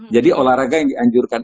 jadi olahraga yang dianjurkan